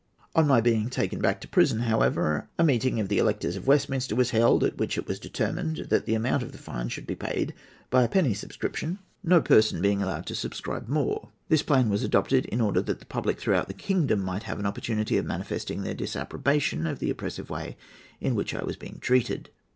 "On my being taken back to prison, however, a meeting of the electors of Westminster was held, at which it was determined that the amount of the fine should be paid by a penny subscription, no person being allowed to subscribe more. This plan was adopted in order that the public throughout the kingdom might have an opportunity of manifesting their disapprobation of the oppressive way in which I was being treated.